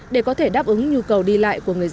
để có thể đáp ứng nhu cầu đi lại của người dân